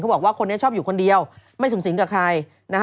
บอกว่าคนนี้ชอบอยู่คนเดียวไม่สูงสิงกับใครนะฮะ